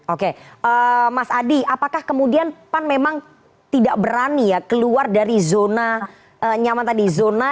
oke mas adi apakah kemudian pan memang tidak berani ya keluar dari zona nyaman tadi zona